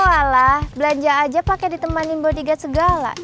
walah belanja aja pakai ditemani bodyguard segala